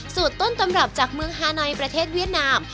ต้นตำรับจากเมืองฮานอยประเทศเวียดนาม